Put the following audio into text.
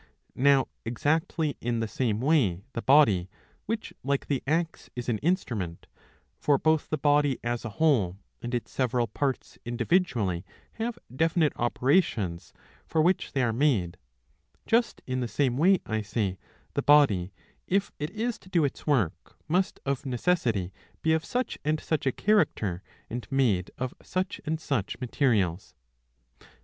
Now exactly in the same way the body, which like the axe is an instrument — for both the body as a whole and its several parts individually have definite opera tions for which they are made — ^just in the same way, I say, the body, if it is to do its work, must of necessity be of such and such a character, and made of such and such materials.